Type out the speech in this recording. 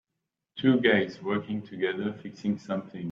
Two guys working together fixing something.